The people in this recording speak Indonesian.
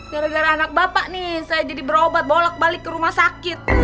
gara gara anak bapak nih saya jadi berobat bolak balik ke rumah sakit